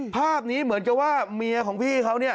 ภาพนี้เหมือนกับว่าเมียของพี่เขาเนี่ย